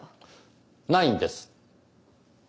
ないんです。